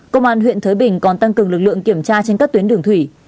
công an huyện thới bình còn tăng cường lực lượng kiểm tra trên các tuyến đường thủy